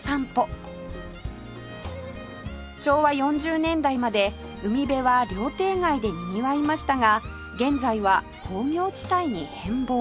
昭和４０年代まで海辺は料亭街でにぎわいましたが現在は工業地帯に変貌